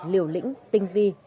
liều lĩnh tinh vi